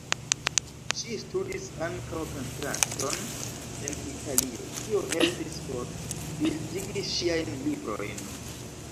Ŝi studis ankaŭ pentrarton en Italio, kio helpis por bildigi ŝiajn librojn.